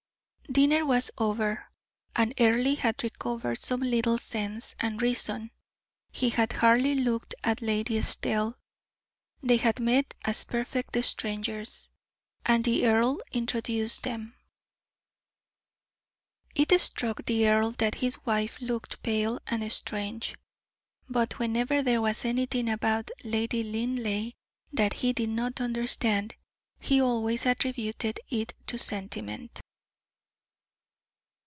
Dinner was over, and Earle had recovered some little sense and reason. He had hardly looked at Lady Estelle. They had met as perfect strangers, and the earl introduced them. It struck the earl that his wife looked pale and strange; but whenever there was anything about Lady Linleigh that he did not understand, he always attributed it to sentiment.